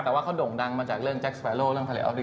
แต่ว่าเขาด่งดังมาจากเรื่องแจ็คสปายโร่เรื่องฮารี่ออฟดี